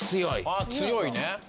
あっ強いね。